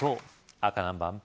赤何番？